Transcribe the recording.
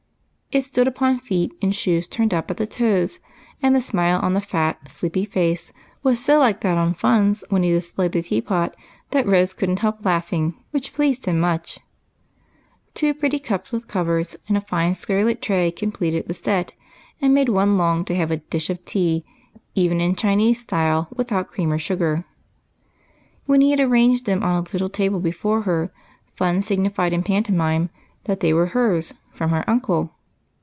It stood upon feet in shoes turned up at the toes, and the smile on the fat, sleepy face was so like that on Fun's when he displayed the teapot, that Rose could n't help laughing, which pleased him much. Two pretty cups with covers, and a fine scarlet tray, 78 EIGHT COUSINS. Fun siGxiP'iED in pantomime that they were hers. — Page 79. A TRIP TO CHINA. 79 completed the set, and made one long to have a "dish of tea," even m Chinese style, without cream or sugar. When he had arranged them on a little table before her, Fun signified in pantomime that they were hers, from her uncle.